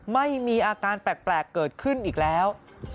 ไม่มีอาการแปลกเกิดขึ้นอีกแล้ว